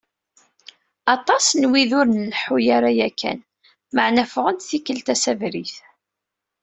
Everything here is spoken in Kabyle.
Aṭas n wid ur nleḥḥu ara yakan, meɛna ffɣen-d tikkelt-a s abrid.